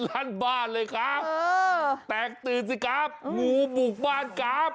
ลั่นบ้านเลยครับแตกตื่นสิครับงูบุกบ้านครับ